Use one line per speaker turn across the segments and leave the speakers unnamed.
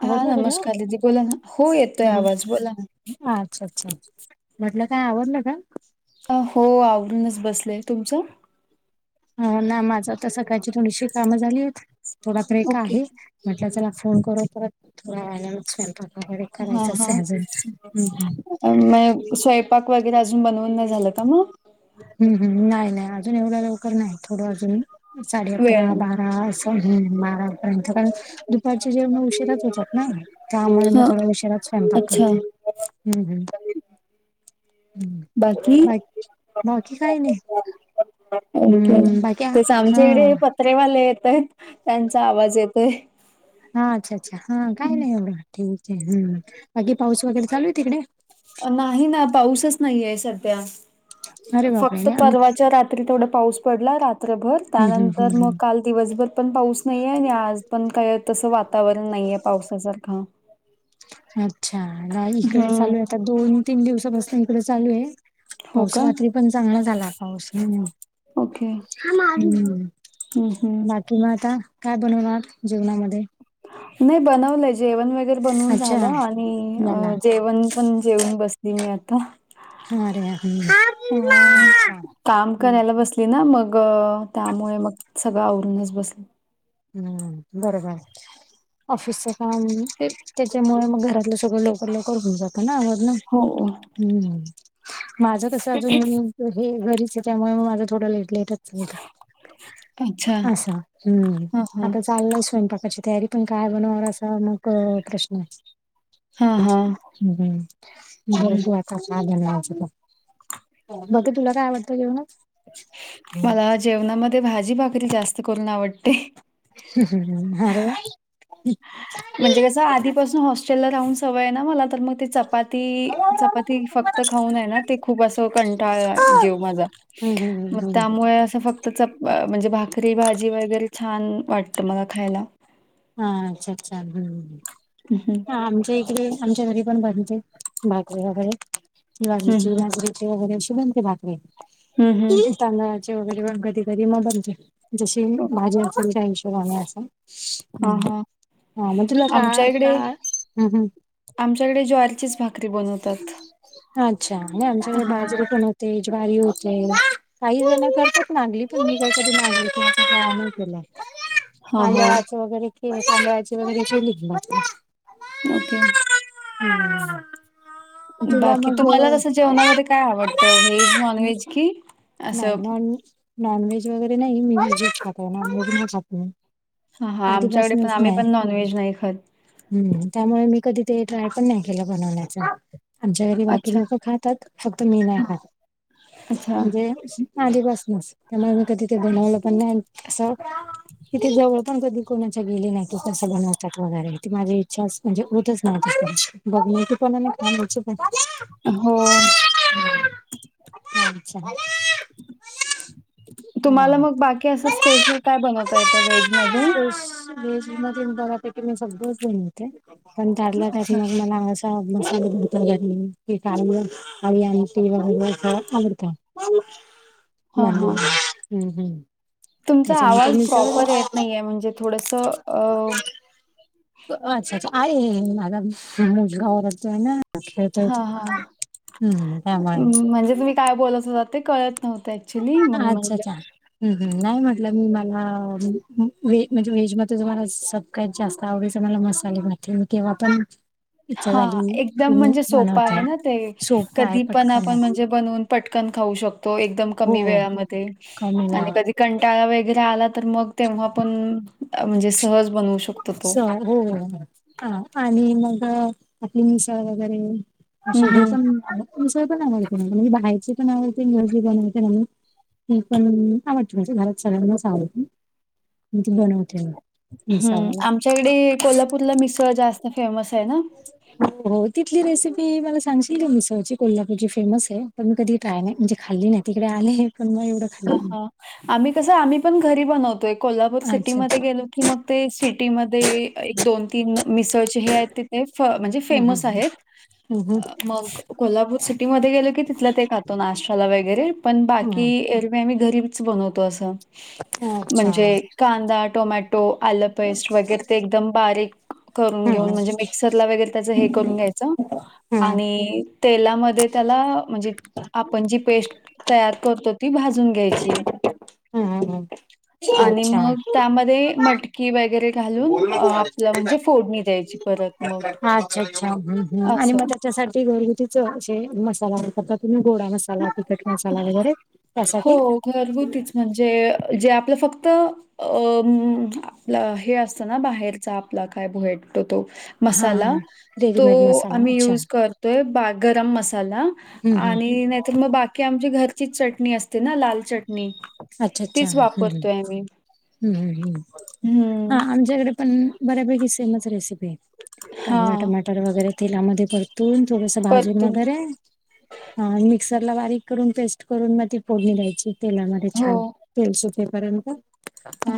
[unintelligible] हा
आवडलं सगळं
नमस्कार दीदी बोला ना हो येतोय
नम
आवाज बोला ना.
अच्छा अच्छा म्हटलं काय आवरलं का?
हो आवरूनच बसले. तुमचं?
हाव ना माझं तर सकाळची थोडीशी कामं झाली येत थोड ब्रेक
ओके
आहे. म्हटलं चला फोन करू परत थोडा आरामात स्वयंपाक वगैरे करायचा आहे अजून.
म स्वयंपाक वगैरे अजून बनवून नाही झालं का मग?
हम्म हम्म नाही नाही अजून एवढा लवकर नाही थोडं अजून साडे अकरा
वेळाने
बारा अस ह मपर्यंत पण. दुपारच्या जेव्हा मग उशशीराच होतात ना त्यामुळे मग
हा
थोडा उशिराच स्वयंपाक
अच्छा
करते. हम्म हम्म बाकी बाकी काय नाही. हम्म बाकी
तेच आमच्या कडे
हा
हे पत्रेवाले यातायत त्यांचा आवाज येतोय.
हा अच्छा अच्छा हा काही नाही एवढं ठीक आहे हम्म बाकी पाऊस वगैरे चालू आहे तिकडे?
नाही ना पाऊसच नाहीय सध्या
अरे बापरे
फक्त
नाही आम
परवाच्या रात्री तेथवडा पाऊस पडला रात्रभर
हम्म हम्म हम्म
त्यानंतर मग
हम्म.
काल दिवसभर. पण पाऊस नाहीे आणि आज पण काय तसं वातावरण नाहीे पावसासारखं.
अच्छा इकडे
हम्म
चालू आहे आता दोन तीन दिवसापासून इकडे चालू आहे.
हो
पाऊस
का?
रात्री पण चांगला झाला पाऊस
हम् हम.
किंवा आता काय बनवून जीवनामध्ये
नाही बनवलंय जेवण वगैरे बनवून
अच्छा
झालं
याला
आणि जेवण पण जेवऊन बसली मी आता
हार्या
अ,
ह
काम करायला
हम्म.
बसली ना मग त्यामुळे मग सगळं आवरूनच बसल.
हम्म बरोबर. ऑफिसचं काम त्याच्यामुळे मग घरातलं सगळं लवकर लवकर होऊन जातं. ना आवज ना
हो.
हम् माझं कस अजून मी. हे घरीच आहे त्यामुळे माझा थोडं लेट लेटच.
अच्छा.
असा हम्म.
हां, हां.
आता चाललंय स्वयंपाकाची तयारी पण काय बनवणार असा मग प्रश्न आहे.
हां,
ह्
हां.
हम्म
हं.
बस वा. ध बकी तुला काय आवटतं जेवण.
मला जेवणामध्ये भाजी भाकरी जास्त करून आवडते.
ह् हम् ह्म हर वा.
म्हणजे कसं आधीपासून हॉस्टेलला राहून सवय आहे ना मला तर मग. ते चपाती चपाती फक्त खाऊन आहे ना ते खूप असं कंटाळ जीव माझा.
हम्म हम्म
मग
हम्म हम्म.
त्यामुळे असं फक्त म्हणजे भाकरी भाजी वगैरे छान वाटतं मला खायला.
हा् अच्छा अच्छा हम्.
ह हं.
आमच्या इकडे आमच्या घरी पण बनते भाजरी
हं,
वगैरेवाडीची
हं.
भाजरी वगैरे शुभंंत भाकरे. [unintelligible]
हम् हम्.
तांदळाचे वगैरे पण कधी कधी मग म्हणज बनते. जसे
ओके.
भाजी अस त्या आुष्य राण्याचं.
ह हा
का
आमच्याकडे
हम्म हम्म
आमच्याकडे ज्वारीचीच भाक
अच्छा आणि आमच्याकडे
हां.
बाजरीे पण होते ज्वारी होते. [unintelligible] काही झालं करतात नागली पण मी काही कधी माग तु काय के
हां, हां.
तांदळाचे वगैरे केली तांदळाची वगैरे केली.
ओके.
हम्म. तुला
बाकी
मग
तुम्हाला तसं जेवणामध्ये काय आवडतं व्हेज
हम्म
नॉनव्हेज कि
नाही
असं
नॉन नॉनव्हेज वगैरे नाही मी व्हज खात नॉनव्हेज आप
हा हा आमच्याकडे पण आम्ही पण नॉनव्हेज नाही खात.
हम्म त्यामुळे मी कधी ते ट्राय पण नाही केलं बनवण्याच. आमच्या घरी बाकी
अच्छा.
लोक खातात फक्त मी नाही खात
अच्छा
म्हणजे आधीपासून त्यामुळे मी का तिथे बनवलं पण नाही असं तिथे जवळ पण कधी कोणाच्या गेले नाही तु सगळंतात वगैरे ते माझी इच्छाच म्हणजे होतच नव्ह. बघण्याची पण काच प.
हो
[unintelligible] हम् अच्छा.
[unintelligible] तुम्हाला
हा
मग बाकी असं स्पेशल काय बनवता येत व्हेजमध्येध्ये.
व्हेज मद्ये बरा पैकी मी सगळच बनवते पण त्यातल्या त्यात
अच्छा
मग मला मसाले भरत ते का [unintelligible] अ आ आ का [unintelligible] म
हां, हां.
हम्म हम्म.
तुमचा
त्याच्यानंतर
आवाज
मी
प्रॉपर येत
सगळं
नाहीे म्हणजे थोडसं अ
अच्छा अच्छा आहे माझा मुलगा व तो आहे ना. येतय
हां, हां.
हम्म त्या मुळेच. [unintelligible]
म्हणजे तुम्ही काय बोलत होतात ते कळत नव्हतते.
अच्छा चा. ह् ह् नाही म्हटलं मी मला व म्हणजे व्हेज मध्ये तुम्हाला स का जास्त आवडच मला मसालेभात तेव्हा पण इच्छा
हा
झाली की
एकदम
मी
म्हणजे सोपां आहे
बनवते.
ना ते
सोप आहे
कधी पण
पटकन
आपण म्हण
आहे
बनवून पटकन खाऊ शकतो एकदम
हो
कमी वेळामध्ये
कमी
आणि
वेळात
कधी- कंटाळा वगैरे आला तर मग तेव्हा पण म्हणजे सहज बनवू शकतो तो.
स हो आणि मग आपली मिसळ वगैरे
हं,
अध
हं.
विसय पण आवड म्हणजे बाहेरचे पण आवडते इंगजी पणते म्हून [unintelligible] [inaudible] ह पण आवडते म्हणे घरात सग म आवडत बनवते.
हम्म
मिसळवाला
आमच्याकडे कोल्हापूरला मिसळ जास्त फेमस आहे ना.
हो हो तिथली रेसिपी मला सांगशील मिसळ ची कोल्हापूरची फेमस आहे. प मी कधी टाय नाही म्हणजे खाल्ली नाही तिकडे आले पण मग एवढं
हां,
खाल्लं.
हां. आम्ही कस आम्ही पण घरी बनवतोय कोल्हापूर
अच्छा
सिटीमध्ये
अच्छा
गेलो कि मग ते सिटीमध्येध्ये एक दोन तीन मिसळचे हे आहेत. ते म्हणजे फेमस आहेत.
हम हम.
अ, मग कोल्हापूर सिटीमध्ये गेलो की, तिथला ते खातो नाष्टाला वगैरे पण
हम्म
बाकी येर मग घरीच बनवतो असं,
हम्म अच्छा
म्हणजे कांदा टोमॅ टो आलं पेस्ट वगैरे ते एकदम बारीक. करून
हम्म
घेऊन म्हणजे, मिक्सरला वगैरे त्याचं हे करून घ्यायचं
हम्म
आणि, तेलामध्ये त्याला म्हणजे, आपण जी पेस्ट तयार करतो ती भाज जून घ्यायची.
हम्म हम्म
आणि
अच्छा.
मग त्यामध्ये मटकी वगैरे, घालून अ, आपलं म्हणजे फोडणी द्यायची परत मग
अच्छा अच्छा, आणि
असं.
मग. च्यासाठी घरगुती. सो. शे- मसालारता तुम्ही, गोडा मसाला तिखट मसाला वगैरे त्यासाठीं.
हो, घरगुतीच म्हणजे, जे आपलं फक्त अ आपलं हे असत ना, बाहेरचा आपला काय भेटतो तो.
हा
मसाला
हा
तो
रेडीमेड मसाला
आम्ही
अच्छा
यूज करतोय, बा गरम मसाला.
हम्म हम्म
नाहीतर मग बाकी आमच्या घरची चटणी असते, ना लाल चटणी
अच्छा अच्छा
तीच
हम्म हम्म.
वापरतोय आम्ही.
हम्म हम्म.
हम्म.
हां आमच्याकडे पण, बऱ्यापैकी सेमच रेसिपी आहेत‌‌.
हा
कांदा टमाटर वगैरे तेलामध्ये परतू तून थोडंसं भाजून
परतून
वगैरे, हा मिक्सर ला बारीक करून, पेस्ट करून मग ती फोडणी द्यायची तेलामध्ये
हो
छान. तेल सुटेपर्यंत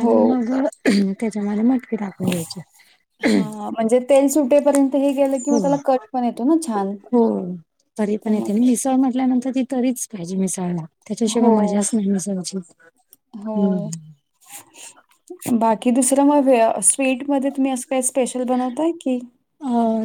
हो
मग, त्याच्या मध्ये मगं ती टाकून घ्यायची.
हा म्हणजे तेल सुटेपर्यंत हे केलं की,
हो
मग त्याला कट पण येतो ना छान.
हो तरी
तर
पण
मग
येते, आणि मिसळ म्हटल्यानंतर ती तरीच पाहिजे मिसळला. तेच्याशिवाय
हो
मजाच नाही मिसळची. हम्म
हो, बाकी दुसर मग स्वीट मध्ये तुम्ही असं. ते स्पेशल बनवताय की,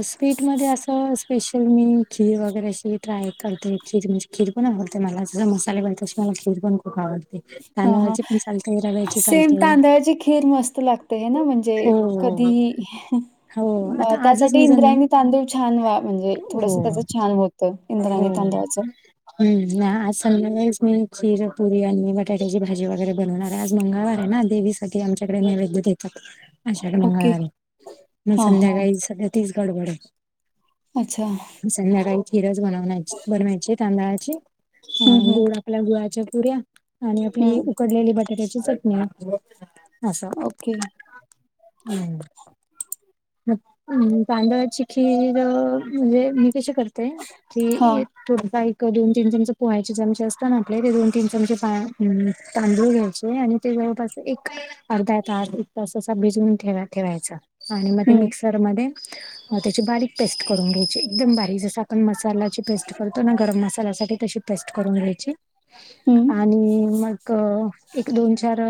स्वीटमध्ये असं स्पेशल, मी खीर वगैरे अशी ट्राय करते खीर म्हणजे. खीर पण आवडते मला, जस मसाले मिळत तसे मला खीर पण खूप आवडते.
हा.. हा..
तांदळाची पण चालते रव्याची
सेम
चालते
तांदळाची खीर मस्त लागते, हे ना म्हणजे
हो
कधीही. [unintelligible]
हो,
अ,
आता. आजच
त्यासाठी
मी जण
इंद्रायणी तांदूळ छान वा म्हणजे, थोडस
हो
त्याचं छान होतं इंद्रायणी
हो
तांदळाचं.
हम्म. आज संध्याकाळी मी खीर पुरी आणि बटा बटाट्याची भाजी वगैरे बनवणार आहे. आज मंगळवार आहे ना, देवीसाठी आमच्याकडे नैवेद देतात. आषाढी
ओके
मंगळवारी मग,
हा हा
संध्याकाळी सध्या तीच गडबड.
अच्छा.
आहे. संध्याकाळी खीर बनव बनवायची तांदळाची
हम्म हम्म
गोड. आपल्या गुळाच्या पुऱ्या, आणि आपली
हम्म
उकडलेली बटाट्याची चटणी. आसं
ओके
हम. तांदळाची खीर म्हणजे, मी कशी करते
हा
की. थोडंफार एक दोन तीन चमच पोहा्याचे चमचे असत ना, आपले ते दोन तीन चमचे तांदूळ घ्यायचे. आणि, ते जवळपास एक अर्धा तास, एक तास भिजवून ठेवायचं आणि मग ते
हं,
मिक्स र मध्ये त्याची बारीक पेस्ट करून घ्यायची, एकदम बारीक जसा आपण मसाल्याची पेस्ट करतो ना, गरम मसाल्यासाठी तशी पेस्ट करून घ्यायची.
हं,
आणि मग, एक दोन, चार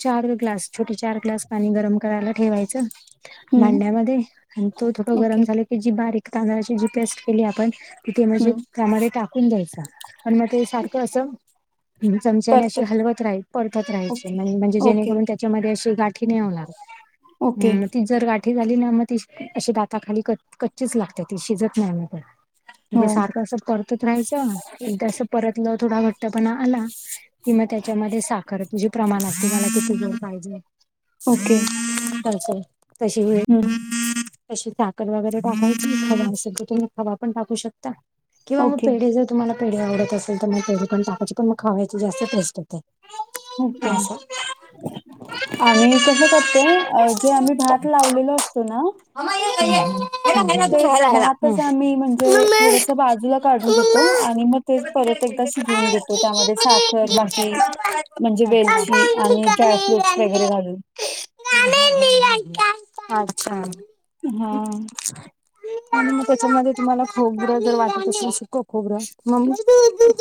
चार ग्लास. छोटे चार ग्लास पाणी गरम करायला ठेवायचं.
हं.
भांड्यामध्ये आणि तो थोड
ओके.
गरम झाला की, जी बारीक तांदळाची जी पेस्ट केली आपण. कि ते म्हणजे
हं.
त्यांमध्ये टाकून द्यायचं, पण मग ते सारखं असं. चमचाने
परत
अशी हलवत राहाय परतत राहायची.
ओके.
म्हणजे म्हणजे
ओके,
जेणेकरून तेच्यामध्ये अशी गाठी नाही होणार.
ओके.
हं. ती जर गा ठी झाली ना म ती अशी दाता खाली कच्चीच लागते ती शिजत नाही मग पण.
हो.
म्हणजे सारखं असं परतत राहायचं. एकदा अस परतलं थोडा घट्टपणा आला की म त्याच्यामध्ये साखर तुझे प्रमानात तुम्हाला किती गोड पाहिजे.
ओके.
[unintelligible]
हं, हं.
अशी साखर वगैरे टाकायची. खवा असेल तर तुम्ही खवा पण टाकू शकता. किंवा मग
ओके,
पेढे जर तुम्हाला पेढे आवडत असेल तर म पेढे पण टाकायची पण मग खाव्याची जास्त टेस्ट येते.
ओके.
आस.
आम्ही कस करतोय, जे आम्ही भात लावलेलो असतो ना
हं हं.
तेच भातच आम्ही म्हणजे थोडस बाजूला काढून घेतो. आणि मग तेच परत एकदा शिजवून घेतो. त्यामध्ये साखर बाकी म्हणजे वेलची आणि ड्रायफ्रुटस वगैरे घालून.
अच्छा!
हां.
आणि मग त्याच्यामध्ये तुम्हाला खोबरं जर वाटत असेल सूक खोबरं, मग मी ते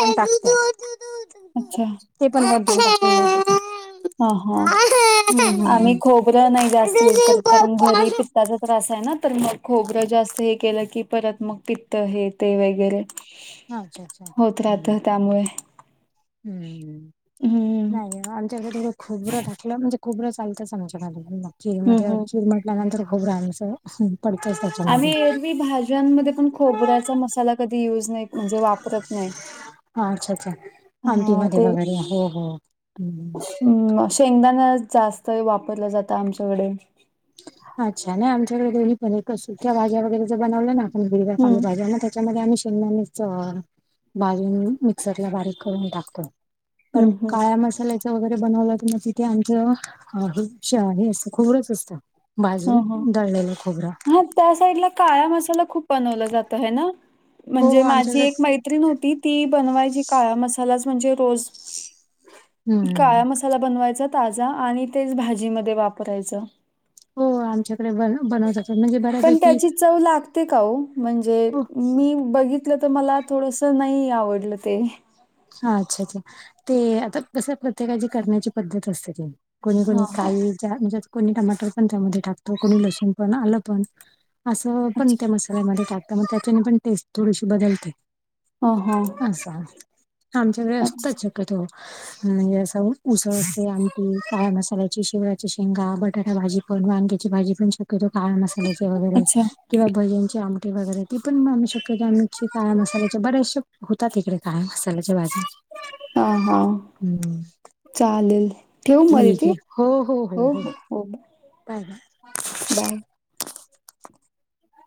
पण टाकते.
अच्छा,
ते पण [inaudible]
हं हां.
हम्म
आम्ही खोबरं नाही जास्त
हम्म
यूज करत. कारण घरी
हम्म.
पी ताचा त्रास आहे ना. तर मग खोबरं जास्त हे केलं की परत मग पित्त हे ते वगैरे,
अच्छा अच्छा
होत राहत त्यामुळे.
हं हं.
हम्म
नाही आमच्या घरी खोबरं टाकलं म्हणजे खोबरं चालतंच आमच्या घरी म. खीर
हम्म
मध्ये
हम्म
खीर म णल्या नंतर खोबरं आमचं पडतच त्याच्यामध्ये.
ज्यांमध्ये पण खोबरायचा मसाला कधी युज नाही म्हणजे वापरत नाही.
अच्छा च्छा आमटी
हा
मध्ये वगैरे. हो हो. हं हं.
अं शेंगदाणा जास्त वापरला जातं आमच्याकडे.
अच्छा. नाही आमकडे दोन्ही पण. एकतर सुक्या भाज्या वगैरे बनवलं ना आपण हिरव्या
हम्म
पालेभाज्या ना च्यामध्ये आम्ही शेंगदाण्याचं भाजून मिक्सरला बारीक करून टाकतो. कारण
हम्म हम्म
काळया मसाल्याच च वगैरे बनवलं की तिथे आमचं हे खोबरचं असतं.
हं
भाजून
हं.
दळलेलं खोबरं
हा त्या साईडला काळया मसाला खूप बनवला जातं हे ना?
हो
म्हणजे माझी
आमच्याकडे
एक मै त्रीण होती. ती बनवायची काळा मसालाच. म्हणजे रोज
हम्म
काळया मसा ला बनवायचा ताजा आणि तेच भाजीमध्ये वापरायचं.
हो आमच्याकडे बन बनवतात म्हणजे
पण
बऱ्यापैकी
त्याची चव लागते का ओ? म्हणजे
हो
मी बघितलं तर मला थोडंसं नई आवडलं ते.
हा अच्छा अच्छा. ते आता कसं प्रत्येकाची करण्याची पद्धत असते ती. कुणी कुणी
हां, हां.
काही च्या म्हणजे कुणी टमाटर पण त्यामध्ये टाकतो कुणी लसूण पण आलं पण. असं पण
अच्छा.
त्या मसाल्यामध्ये टाकतं म त्याच्याने पण टेस्ट थोडीशी बदलते.
हं हं.
असं. आमच्याकडे असतंच शक्यतो. म्हणजे असं उसळ ते, आमटी काळ्या मसाल्याची, शेवग्याच्या शेंगा, बटाटा भाजी पण, वांग्याची भाजी पण शक क्यतो काळया मसाल्याची वगैरे
अच्छा.
किंवा भज्यांची आमटी वगैरे ती‌‌ पण म आम्ही शक्यतो का ळया मसाल्याचे. बऱ्याचशा होतात हिकडे काळया मसा ल्याच्या भाज्या.
हां, हां.
हं.
चालेल, ठेऊ म दीदी हो हो हो हो.
Bye
bye!